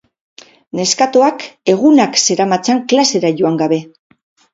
Neskatoak egunak zeramatzan klasera joan gabe.